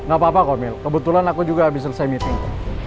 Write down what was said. gak apa apa komil kebetulan aku juga habis selesai meeting